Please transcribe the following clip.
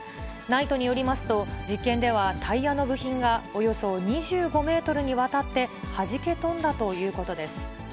ＮＩＴＥによりますと、実験ではタイヤの部品がおよそ２５メートルにわたって、はじけ飛んだということです。